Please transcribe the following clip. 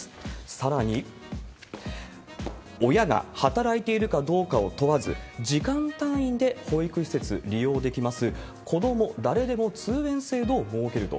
さらに、親が働いているかどうかを問わず、時間単位で保育施設利用できます、こども誰でも通園制度を設けると。